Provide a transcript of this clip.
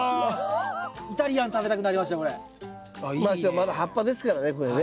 まだ葉っぱですからねこれね。